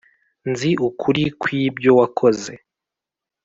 nzi ukuri kwibyo wakoze